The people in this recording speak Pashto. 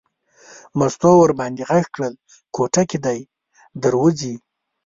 مستو ور باندې غږ کړل کوټه کې دی در وځي.